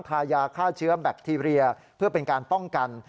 ทายาฆ่าเชื้อแบคทีเรียเพื่อเป็นการป้องกัน